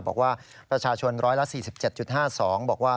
บอกว่าประชาชน๑๔๗๕๒บอกว่า